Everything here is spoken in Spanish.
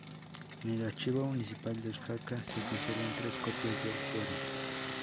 En el Archivo Municipal de Jaca se conservan tres copias del Fuero.